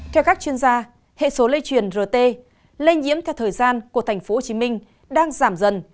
theo các chuyên gia hệ số lây truyền rt lây nhiễm theo thời gian của tp hcm đang giảm dần